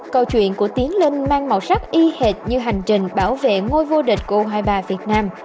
câu chuyện của tiến linh mang màu sắc y hệt như hành trình bảo vệ ngôi vô địch u hai mươi ba việt nam